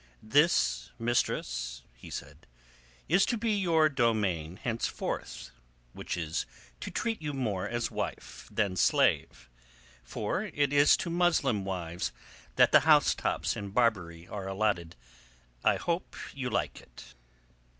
"This, mistress," he said, "is to be your domain henceforth which is to treat you more as wife than slave. For it is to Muslim wives that the housetops in Barbary are allotted. I hope you like it."